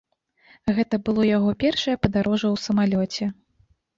Гэта было яго першае падарожжа ў самалёце.